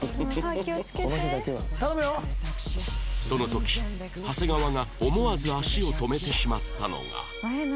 その時長谷川が思わず足を止めてしまったのが